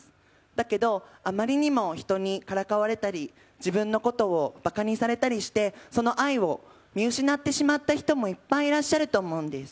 だけど、あまりにも人にからかわれたり、自分のことをばかにされたりして、その愛を見失ってしまった人もいっぱいいらっしゃると思うんです。